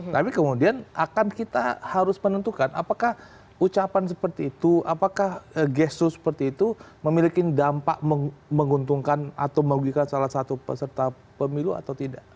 tapi kemudian akan kita harus menentukan apakah ucapan seperti itu apakah gestu seperti itu memiliki dampak menguntungkan atau merugikan salah satu peserta pemilu atau tidak